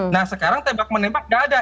nah sekarang tembak menembak gak ada